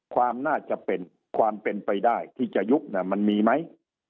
ความน่าจะเป็นความเป็นไปได้ที่จะยุบมันมีไหม